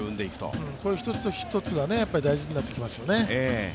こういう一つ一つが大事になってきますよね。